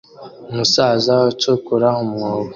Umusaza ucukura umwobo